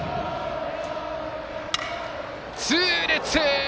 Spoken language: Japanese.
痛烈！